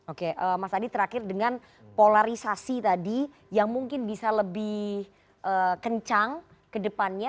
oke mas adi terakhir dengan polarisasi tadi yang mungkin bisa lebih kencang ke depannya